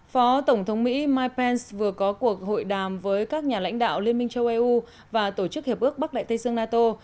phó tổng thống mỹ mike pence vừa có cuộc hội đàm với các nhà lãnh đạo liên minh châu âu eu và tổ chức hiệp ước bắc đại tây dương nato